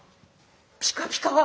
ピカピカ！